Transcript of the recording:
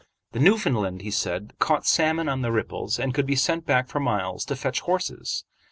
The Newfoundland, he said, caught salmon on the ripples, and could be sent back for miles to fetch horses.